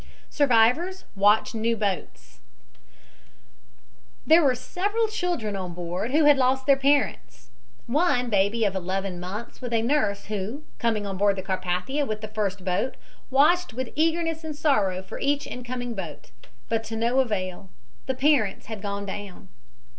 SURVIVORS WATCH NEW BOATS There were several children on board, who had lost their parents one baby of eleven months with a nurse who, coming on board the Carpathia with the first boat, watched with eagerness and sorrow for each incoming boat, but to no avail. The parents had gone down.